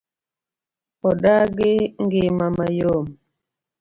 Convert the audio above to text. Odagi ng'ima ma yom.